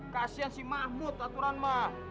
kasian si mahmud aturan mah